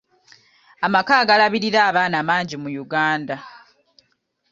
Amaka agalabirira abaana mangi mu Uganda.